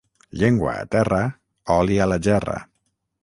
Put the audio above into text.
Llengua a terra, oli a la gerra.